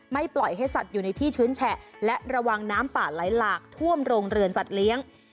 ปล่อยให้สัตว์อยู่ในที่ชื้นแฉะและระวังน้ำป่าไหลหลากท่วมโรงเรือนสัตว์เลี้ยง